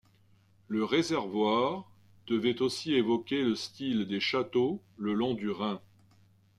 Le réservoir devait aussi évoquer le style des châteaux le long du Rhin.